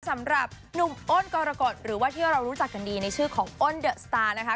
สำหรับหนุ่มอ้นกรกฎหรือว่าที่เรารู้จักกันดีในชื่อของอ้นเดอะสตาร์นะคะ